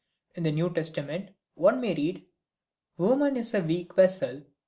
In the New Testament one may read "Woman is a weak vessel."